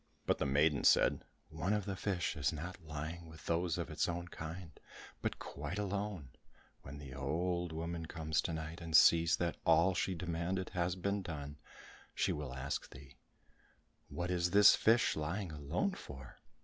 But the maiden said, "One of the fish is not lying with those of its own kind, but quite alone; when the old woman comes to night and sees that all she demanded has been done, she will ask thee, 'What is this fish lying alone for?